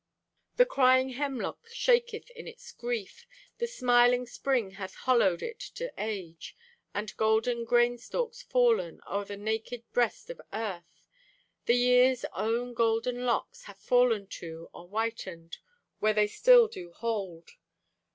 The crying hemlock shaketh in its grief. The smiling spring hath hollowed it to age, And golden grain stalks fallen O'er the naked breast of earth. The year's own golden locks Have fallen, too, or whitened, Where they still do hold.